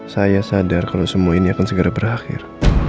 saya sadar kalau semua ini akan segera berakhir